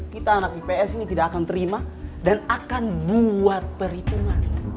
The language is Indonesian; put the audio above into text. kita anak ips ini tidak akan terima dan akan buat perhitungan